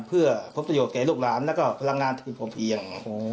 เพื่อพบประโยชนแก่ลูกหลานแล้วก็พลังงานที่ผมเอียง